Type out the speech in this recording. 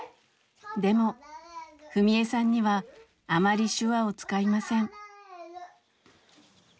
でも史恵さんにはあまり手話を使いません。